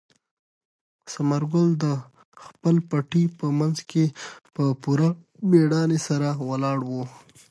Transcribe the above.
ثمر ګل د خپل پټي په منځ کې په پوره مېړانې سره ولاړ و.